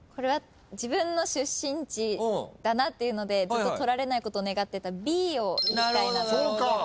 自分の出身地だなっていうので取られないことを願ってたＢをいきたいなと思います。